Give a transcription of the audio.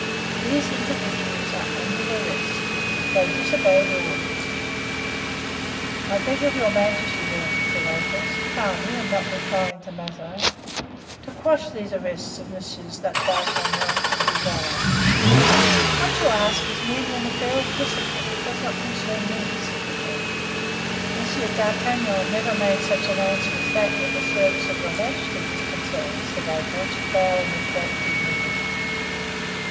These individuals are under arrest. They disobeyed orders." "I beg of your majesty, then," said Athos, calmly and not replying to Mazarin, "to quash these arrests of Messieurs d'Artagnan and du Vallon." "What you ask is merely an affair of discipline and does not concern me," said the queen. "Monsieur d'Artagnan never made such an answer as that when the service of your majesty was concerned," said Athos, bowing with great dignity.